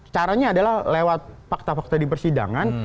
caranya adalah lewat fakta fakta di persidangan